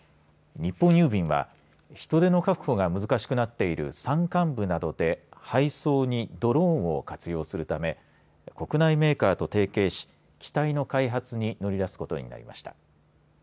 日本郵便は人手の確保が難しくなっている山間部などで配送にドローンを活用するため国内メーカーと提携し機体の開発に乗り出すことになりました。